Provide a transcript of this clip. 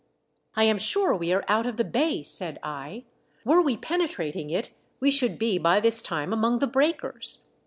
" I am sure we are out of the bay," said 1 ;" were we penetrating it we should be by this time among the breakers.